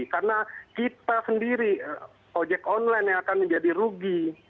karena kita sendiri ojek online yang akan menjadi rugi